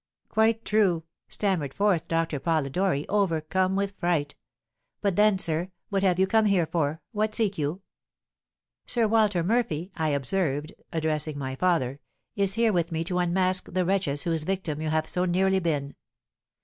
"'Quite true!' stammered forth Doctor Polidori, overcome with fright. 'But then, sir, what have you come here for? What seek you?' "'Sir Walter Murphy,' I observed, addressing my father, 'is here with me to unmask the wretches whose victim you have so nearly been.'